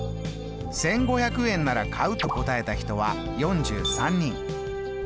１５００円なら買うと答えた人は４３人。